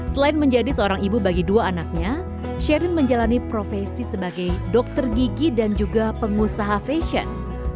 selain menjadi seorang ibu bagi dua anaknya sherin menjalani profesi sebagai dokter gigi dan juga pengusaha fashion